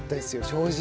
正直。